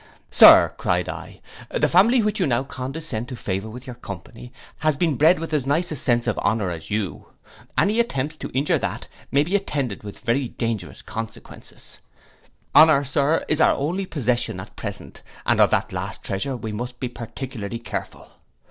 'Sir,' cried I, 'the family which you now condescend to favour with your company, has been bred with as nice a sense of honour as you. Any attempts to injure that, may be attended with very dangerous consequences. Honour, Sir, is our only possession at present, and of that last treasure we must be particularly careful.